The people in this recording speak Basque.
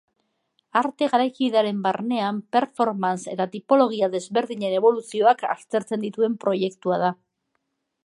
Arte garaikidearen barnean performance eta tipologia desberdinen eboluzioak aztertzen dituen proektua da.